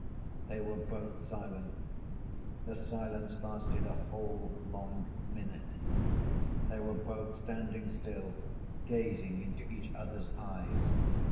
They were both silent. The silence lasted a whole long minute. They were both standing still, gazing into each other's eyes.